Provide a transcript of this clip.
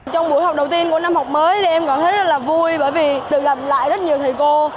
trong buổi học đầu tiên của năm học mới thì em cảm thấy rất là vui bởi vì được gặp lại rất nhiều thầy cô